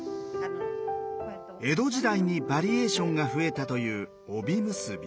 江戸時代にバリエーションが増えたという帯結び。